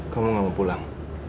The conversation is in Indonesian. kamu mau pulang